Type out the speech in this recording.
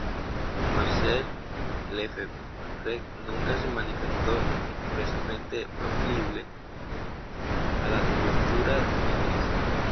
Marcel Lefebvre nunca se manifestó expresamente proclive a la ruptura con la Iglesia.